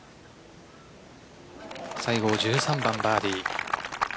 西郷、１３番バーディー。